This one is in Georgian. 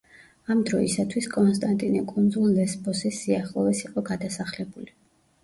ამ დროსათვის, კონსტანტინე კუნძულ ლესბოსის სიახლოვეს იყო გადასახლებული.